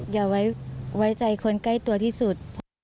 อย่าไว้ใจคนใกล้ตัวที่สุด